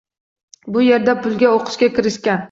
Bu yerda pulga oʻqishga kirishgan